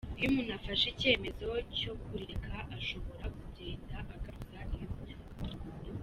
Iyo umuntu afashe icyemezo cyo kurireka ashobora kugenda agaruza iyo myaka.